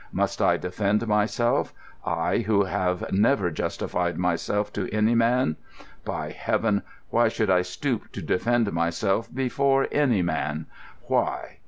Must I defend myself, I, who have never justified myself to any man? By Heaven, why should I stoop to defend myself before any man? Why?